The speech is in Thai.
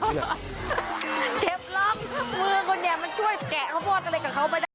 เจ็บล้อมมือคนเนี่ยมันช่วยแกะข้าวโพสต์กันเลยกับเขาไปได้